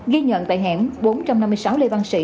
ghi nhận tại hẻm bốn trăm năm mươi sáu lê văn sĩ